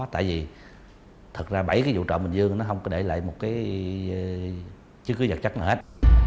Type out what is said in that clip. tại vì thật ra bảy vụ trộm bình dương nó không có để lại một chứng cứ vật chất nữa hết